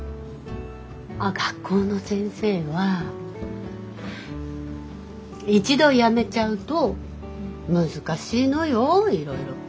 あっ学校の先生は一度辞めちゃうと難しいのよいろいろと。